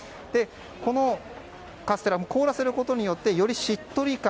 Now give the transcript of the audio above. このカステラも凍らせることによってよりしっとり感